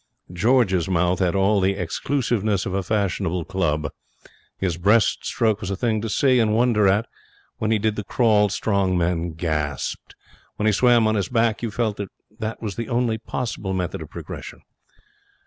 George's mouth had all the exclusiveness of a fashionable club. His breast stroke was a thing to see and wonder at. When he did the crawl, strong men gasped. When he swam on his back, you felt that that was the only possible method of progression.